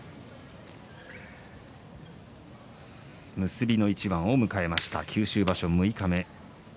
結びの一番を迎えました九州場所の六日目。